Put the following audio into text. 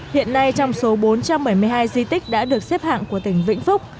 hiện nay trong số bốn trăm bảy mươi hai di tích đã được xếp hạng của tỉnh vĩnh phúc